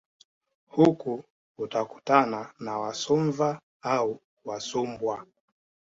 Huku utakutana na Wasumva au Wasumbwa